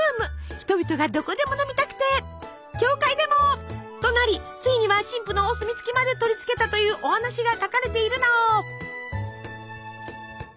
人々がどこでも飲みたくて「教会でも！」となりついには神父のお墨付きまでとりつけたというお話が書かれているの。